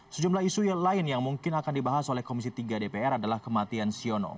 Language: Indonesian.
sejumlah isu yang lain yang mungkin akan dibahas oleh komisi tiga dpr adalah kematian siono